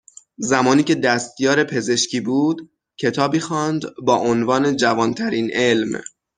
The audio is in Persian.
زمانی که دستیار پزشکی بود، کتابی خواند با عنوان جوانترین علم